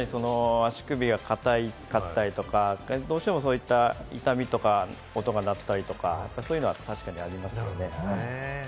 確かに足首が硬かったりとか、どうしてもそういった痛みとか音が鳴ったりとか、そういうのは確かにありますよね。